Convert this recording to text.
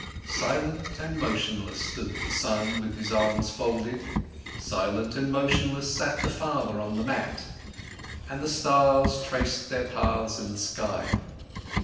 Silent and motionless stood the son with his arms folded, silent and motionless sat the father on the mat, and the stars traced their paths in the sky.